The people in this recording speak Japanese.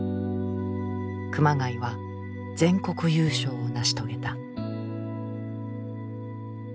熊谷は全国優勝を成し遂げた。